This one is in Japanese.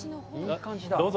どうぞ。